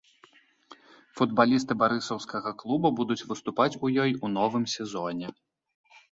Футбалісты барысаўскага клуба будуць выступаць у ёй у новым сезоне.